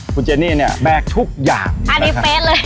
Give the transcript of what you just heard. คุณเจนี่เนี่ยแบกทุกอย่างอันนี้เฟสเลย